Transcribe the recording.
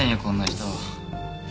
こんな人。